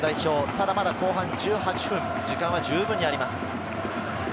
ただまだ後半１８分、時間はじゅうぶんにあります。